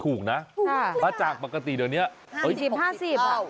ถูกแหละปัจจากปกติเดี๋ยวนี้๕๐๕๐บาท